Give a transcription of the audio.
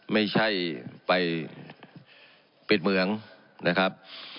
ไม่ใช่ไปปิดเมืองนะครับ